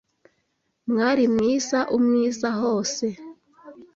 Mwali mwiza, umwiza hose